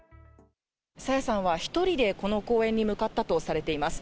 朝芽さんは１人でこの公園に向かったとされています。